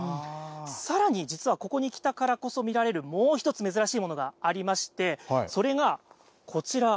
さらに、実はここに来たからこそ見られるもう１つ、珍しいものがありまして、それがこちら。